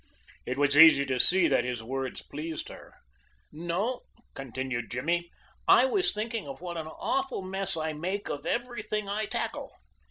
It was easy to see that his words pleased her. "No," continued Jimmy; "I was thinking of what an awful mess I make of everything I tackle."